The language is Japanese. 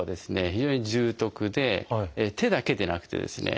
非常に重篤で手だけでなくてですね